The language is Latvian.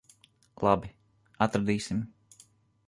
Labi. Atradīsim.